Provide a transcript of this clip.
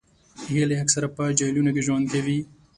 هیلۍ اکثره په جهیلونو کې ژوند کوي